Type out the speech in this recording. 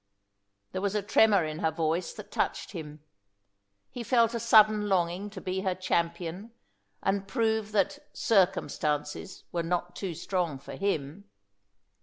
There was a tremor in her voice that touched him. He felt a sudden longing to be her champion, and prove that "circumstances" were not too strong for him.